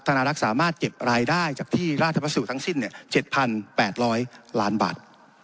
นารักษ์สามารถเก็บรายได้จากที่ราชภัสดุทั้งสิ้น๗๘๐๐ล้านบาท